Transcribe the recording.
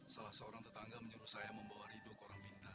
salah seorang tetangga menyuruh saya membawa ridho ke orang bintang